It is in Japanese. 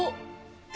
え？